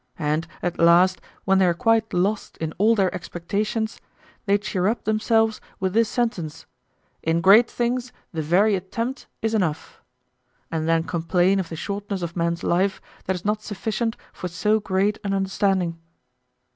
And at last, when they are quite lost in all their expectations, they cheer up themselves with this sentence, "In great things the very attempt is enough," and then complain of the shortness of man's life that is not sufficient for so great an understanding.